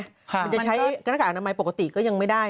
มันจะใช้หน้ากากอนามัยปกติก็ยังไม่ได้